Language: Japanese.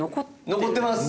残ってます。